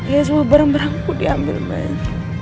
ya semua barang barangku diambil mas